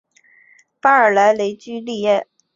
巴尔莱雷居利耶。